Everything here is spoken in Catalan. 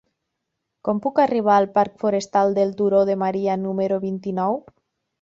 Com puc arribar al parc Forestal del Turó de Maria número vint-i-nou?